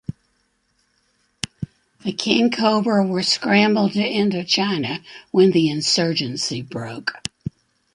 The Kingcobra were scrambled to Indochina when the insurgency broke.